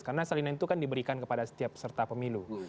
karena salinan itu kan diberikan kepada setiap peserta pemilu